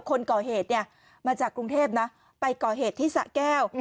คนก่อเหตุเนี่ยมาจากกรุงเทพนะไปก่อเหตุที่สะแก้ว